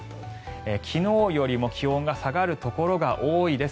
昨日よりも気温が下がるところが多いです。